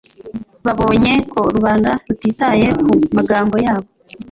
Babonye ko rubanda rutitaye ku magambo yabo,